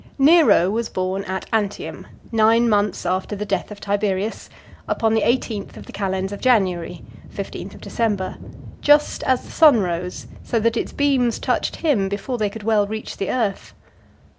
VI. Nero was born at Antium, nine months after the death of Tiberius , upon the eighteenth of the calends of January [15th December], just as the sun rose, so that its beams touched him before they could well reach the earth.